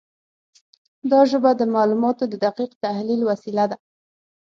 دا ژبه د معلوماتو د دقیق تحلیل وسیله ده.